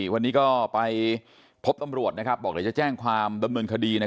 วันนี้ก็ไปพบตำรวจนะครับบอกว่าจะแจ้งความดำเนินคดีนะฮะ